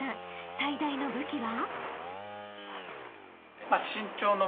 最大の武器は？］